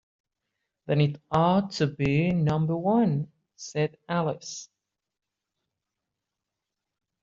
‘Then it ought to be Number One,’ said Alice.